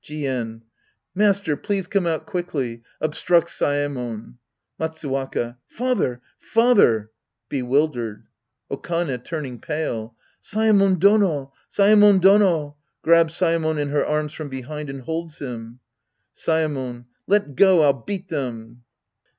Jien. Master, please come out quickly. {Obstructs Saemon.) Matsufwaka. Father ! Father ! {Bezvildered.) Okane {turning pale). Saemon Done ! Saemon Dono ! {Grabs Saemon in her arms from behind and holds him.) Saemon. Let go. I'll beat them.